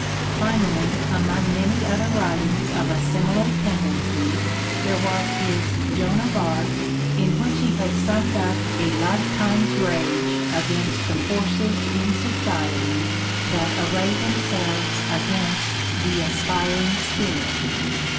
Finally, among many other writings of a similar tendency, there was his "Joan of Arc," in which he had summed up a life time's rage against the forces in society that array themselves against the aspiring spirit.